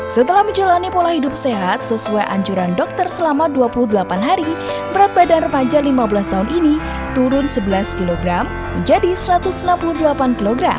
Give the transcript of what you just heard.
setelah menjalani pola hidup sehat sesuai anjuran dokter selama dua puluh delapan hari berat badan remaja lima belas tahun ini turun sebelas kg menjadi satu ratus enam puluh delapan kg